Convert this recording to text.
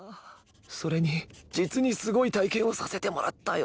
それに実にスゴイ体験をさせてもらったよ。